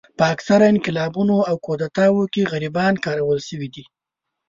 په اکثره انقلابونو او کودتاوو کې غریبان کارول شوي دي.